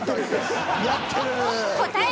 やってる。